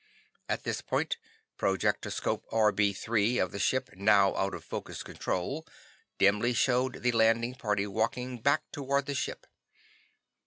"At this point projectoscope RB 3 of the ship now out of focus control, dimly showed the landing party walking back toward the ship.